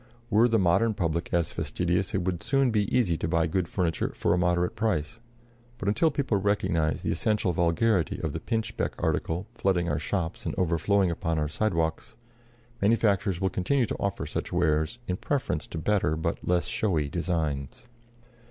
Were the modern public as fastidious, it would soon be easy to buy good furniture for a moderate price; but until people recognize the essential vulgarity of the pinchbeck article flooding our shops and overflowing upon our sidewalks, manufacturers will continue to offer such wares in preference to better but less showy designs.